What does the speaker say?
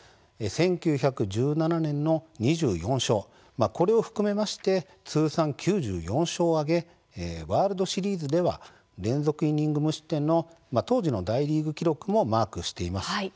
１９１７年の２４勝これを含めまして通算９４勝を挙げワールドシリーズでは連続イニング無失点の当時の大リーグ記録もマークしています。